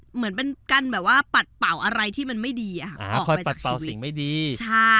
เหมือนเป็นการปัดเป่าอะไรที่มันไม่ดีออกไปจากชีวิต